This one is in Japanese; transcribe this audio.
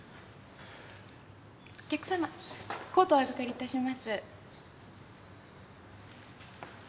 お客様コートお預かりいたします。